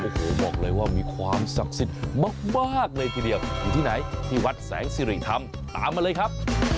โอ้โหบอกเลยว่ามีความศักดิ์สิทธิ์มากเลยทีเดียวอยู่ที่ไหนที่วัดแสงสิริธรรมตามมาเลยครับ